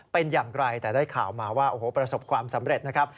เป็นอย่างไรแต่ได้ข่าวมาว่าโอ้โหประสบความสำเร็จนะครับ